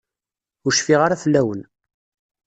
Ur cfiɣ ara fell-awen.